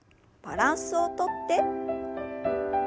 バランスをとって。